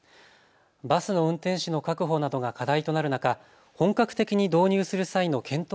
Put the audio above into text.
バスの運転手の確保などが課題となる中、本格的に導入する際の検討